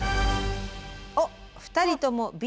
おっ２人ともＢ。